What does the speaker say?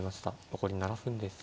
残り７分です。